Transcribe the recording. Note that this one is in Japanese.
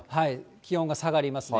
気温が下がりますね。